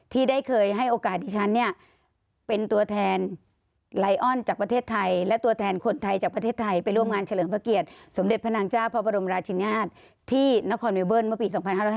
ที่ได้เคยให้โอกาสที่ฉันเนี่ยเป็นตัวแทนไลออนจากประเทศไทยและตัวแทนคนไทยจากประเทศไทยไปร่วมงานเฉลิมพระเกียรติสมเด็จพระนางเจ้าพระบรมราชินาศที่นครวิวเบิ้ลเมื่อปี๒๕๕๙